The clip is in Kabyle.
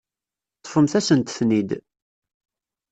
Ṭṭfemt-asent-ten-id.